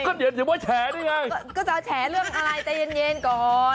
ก็เดี๋ยวอย่ามาแฉนี่ไงก็จะเอาแฉเรื่องอะไรใจเย็นก่อน